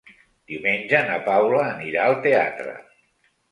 Diumenge na Paula anirà al teatre.